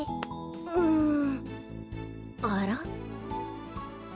うんあら？